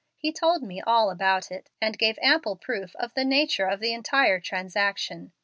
He told me all about it, and gave ample proof of the nature of the entire transaction.